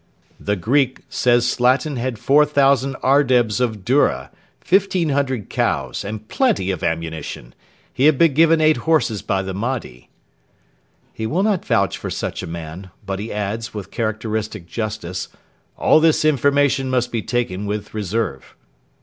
'The Greek... says Slatin had 4,000 ardebs of dura, 1,500 cows, and plenty of ammunition: he has been given eight horses by the Mahdi.' He will not vouch for such a man; but he adds, with characteristic justice, 'all this information must be taken with reserve.'